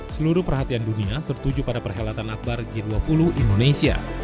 seluruh perhatian dunia tertuju pada perhelatan akbar g dua puluh indonesia